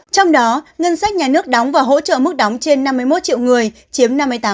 trong đó ngân sách nhà nước đóng và hỗ trợ mức đóng trên năm mươi một triệu người chiếm năm mươi tám